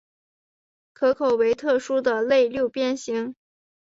壳口为特殊的类六边形。